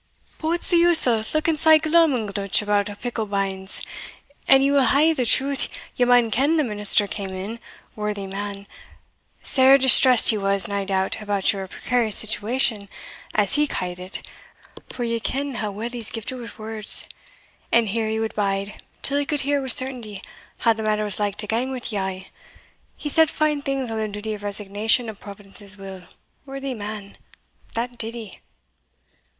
"But what's the use o' looking sae glum and glunch about a pickle banes? an ye will hae the truth, ye maun ken the minister came in, worthy man sair distressed he was, nae doubt, about your precarious situation, as he ca'd it (for ye ken how weel he's gifted wi' words), and here he wad bide till he could hear wi' certainty how the matter was likely to gang wi' ye a' He said fine things on the duty of resignation to Providence's will, worthy man! that did he."